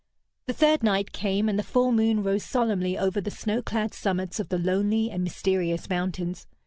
The third night came, and the full moon rose solemnly over the snow clad summits of the lonely and mysterious mountains.